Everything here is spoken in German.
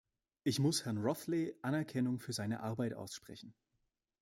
Ich muss Herrn Rothley Anerkennung für seine Arbeit aussprechen.